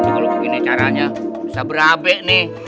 kalau begini caranya bisa berabek nih